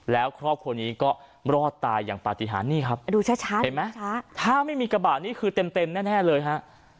แล้วครอบครัวนี้ก็รอดตายอย่างปฏิหารนี่ครับดูช้าเห็นไหมถ้าไม่มีกระบะนี่คือเต็มเต็มแน่เลยฮะ